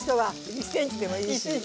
１ｃｍでもいいね。